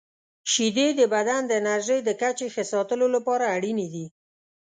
• شیدې د بدن د انرژۍ د کچې ښه ساتلو لپاره اړینې دي.